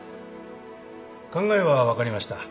考えは分かりました。